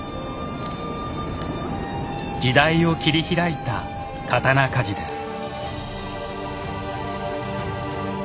時代を切り開いた刀鍛冶です。